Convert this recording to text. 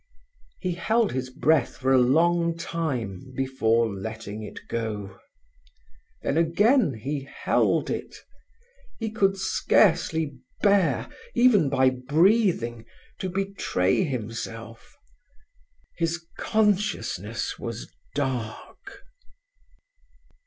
He held his breath for a long time before letting it go, then again he held it. He could scarcely bear, even by breathing, to betray himself. His consciousness was dark.